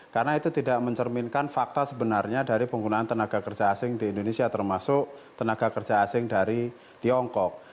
karena itu tidak mencerminkan fakta sebenarnya dari penggunaan tenaga kerja asing di indonesia termasuk tenaga kerja asing dari tiongkok